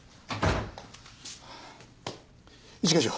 一課長。